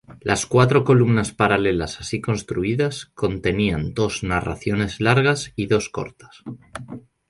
Las cuatro columnas paralelas así construidas contenían dos narraciones largas y dos cortas.